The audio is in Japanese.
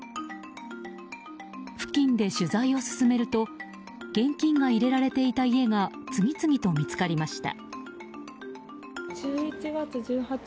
付近で取材を進めると現金が入れられていた家が次々と見つかりました。